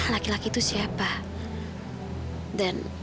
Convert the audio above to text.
laki laki itu siapa